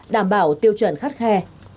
đảm bảo tiêu chuẩn khắt khe